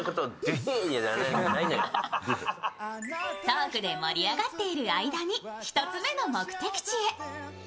トークで盛り上がっている間に１つ目の目的地へ。